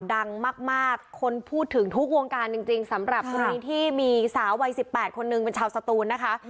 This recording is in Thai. ดังมากคนพูดถึงทุกวงการจริงสำหรับกรณีที่มีสาววัย๑๘คนนึงเป็นชาวสตูนนะคะ